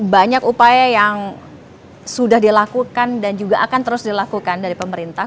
banyak upaya yang sudah dilakukan dan juga akan terus dilakukan dari pemerintah